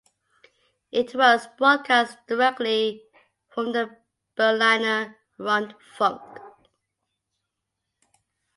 It was broadcast directly from the Berliner Rundfunk.